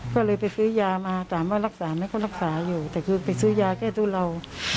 ก็เลยไปซื้อยามาถามว่ารักษาไหมเขารักษาอยู่แต่คือไปซื้อยาแก้ตู้เรา